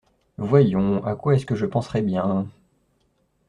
Voyons, à quoi est-ce que je penserais bien ?…